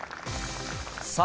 さあ、